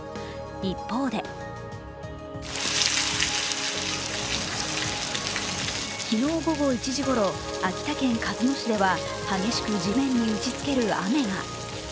一方で昨日午後１時ごろ、秋田県鹿角市では激しく地面に打ちつける雨が。